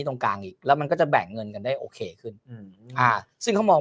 ตรงกลางอีกแล้วมันก็จะแบ่งเงินกันได้โอเคขึ้นอืมอ่าซึ่งเขามอง